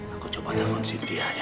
aku coba telepon sintia aja